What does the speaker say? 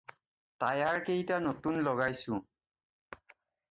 টায়াৰকেইটা নতুন লগাইছোঁ।